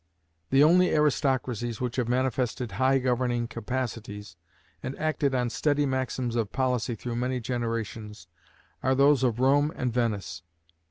The only aristocracies which have manifested high governing capacities, and acted on steady maxims of policy through many generations, are those of Rome and Venice.